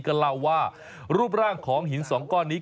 ก็เล่าว่ารูปร่างของหินสองก้อนนี้